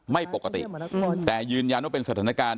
ไม่ปกติแต่ยืนยันว่าเป็นสถานการณ์